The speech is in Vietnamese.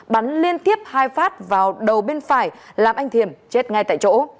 bắn liên tiếp hai phát vào đầu bên phải làm anh thiềm chết ngay tại chỗ